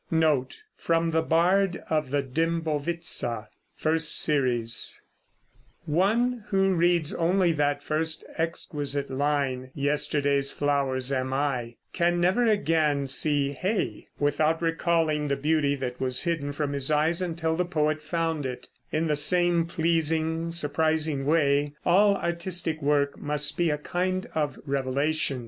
One who reads only that first exquisite line, "Yesterday's flowers am I," can never again see hay without recalling the beauty that was hidden from his eyes until the poet found it. In the same pleasing, surprising way, all artistic work must be a kind of revelation.